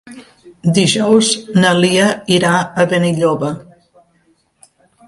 Dijous na Lia irà a Benilloba.